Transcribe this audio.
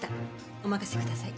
お任せください。